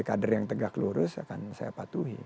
kader yang tegak lurus akan saya patuhi